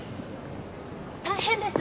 大変です！